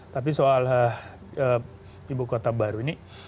tapi soal ibu kota baru ini